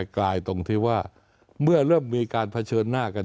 กลายตรงที่ว่าเมื่อเริ่มมีการเผชิญหน้ากัน